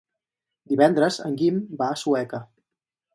Divendres en Guim va a Sueca.